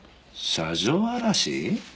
車上荒らし？